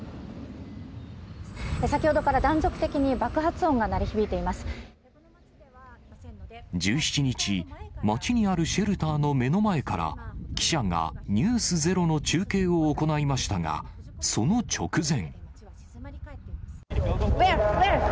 先ほどから断続的に爆発音が１７日、街にあるシェルターの目の前から、記者がｎｅｗｓｚｅｒｏの中継を行いましたが、その直前。